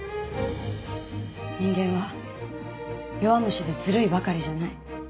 人間は弱虫でずるいばかりじゃない。